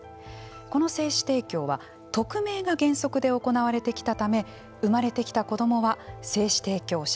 この精子提供は匿名が原則で行われてきたため生まれてきた子どもは精子提供者